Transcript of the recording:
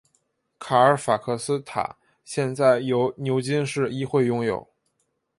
卡尔法克斯塔现在由牛津市议会拥有。